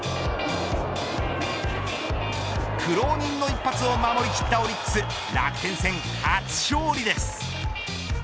苦労人の一発を守りきったオリックス楽天戦初勝利です。